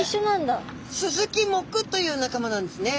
これスズキ目という仲間なんですね。